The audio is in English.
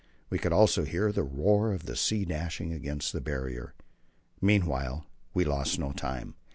We could also hear the roar of the sea dashing against the Barrier. Meanwhile we lost no time.